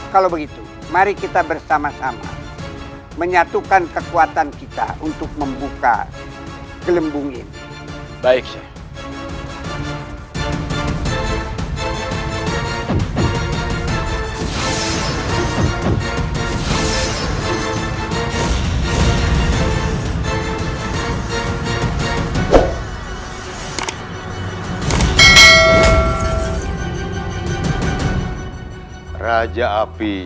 kalau begitu mari kita bersama sama menyatukan kekuatan kita untuk membuka gelembung ini